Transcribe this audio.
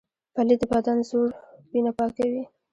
پلی د بدن زوړ وینه پاکوي